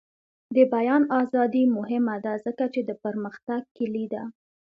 د بیان ازادي مهمه ده ځکه چې د پرمختګ کلي ده.